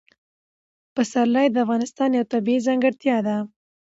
پسرلی د افغانستان یوه طبیعي ځانګړتیا ده.